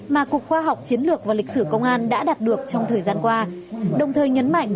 mà cục khoa học chiến lược và lịch sử công an đã đạt được trong thời gian qua đồng thời nhấn mạnh